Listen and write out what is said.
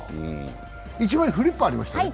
一枚フリップありましたね。